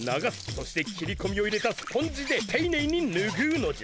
そして切り込みを入れたスポンジでていねいにぬぐうのじゃ。